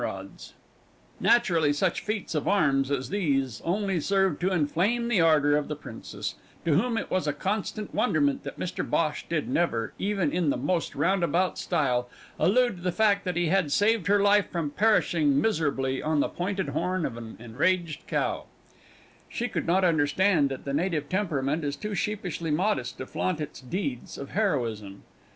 [Illustration: DISMAYED THE BEAST BY HIS DETERMINED AND FEROCIOUS ASPECT (Illustration III)] Naturally, such feats of arms as these only served to inflame the ardour of the Princess, to whom it was a constant wonderment that Mr Bhosh did never, even in the most roundabout style, allude to the fact that he had saved her life from perishing miserably on the pointed horn of an enraged cow. She could not understand that the Native temperament is too sheepishly modest to flaunt its deeds of heroism.